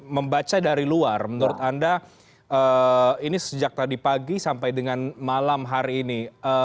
membaca dari luar menurut anda ini sejak tadi pagi sampai dengan malam hari ini